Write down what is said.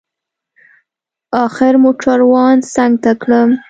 اخر موټروان څنگ ته کړم.